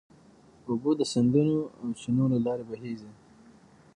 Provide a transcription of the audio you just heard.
اوبه د سیندونو او چینو له لارې بهېږي.